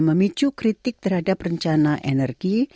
memicu kritik terhadap rencana energi